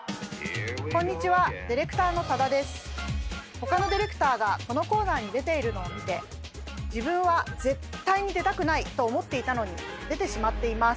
他のディレクターがこのコーナーに出ているのを見て自分は絶対に出たくないと思っていたのに出てしまっています。